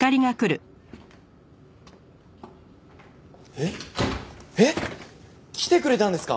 えっ？えっ？来てくれたんですか？